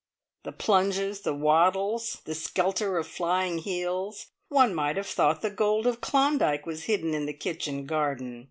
The plunges, the waddles, the skelter of flying heels! One might have thought the gold of Klondyke was hidden in the kitchen garden.